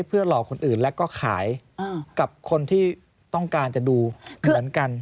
เพื่อหลอกคนอื่นแล้วก็ขายกับคนที่ต้องการจะดูเหมือนกัน